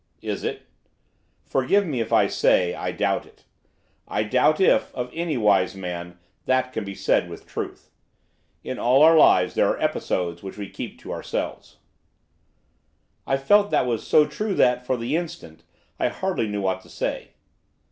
'Is it? Forgive me if I say, I doubt it. I doubt if, of any wise man, that can be said with truth. In all our lives there are episodes which we keep to ourselves.' I felt that that was so true that, for the instant, I hardly knew what to say.